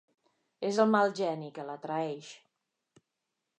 És el mal geni, que la traeix.